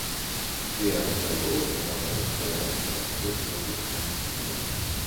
Der Dialog im Bereich der Menschenrechte wurde initiiert.